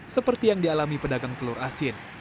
seperti yang dialami pedagang telur asin